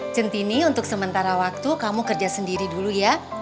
centini untuk sementara waktu kamu kerja sendiri dulu ya